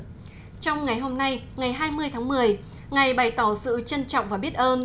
trong ngày hôm nay ngày hai mươi tháng một mươi ngài bày tỏ sự trân trọng và biết ơn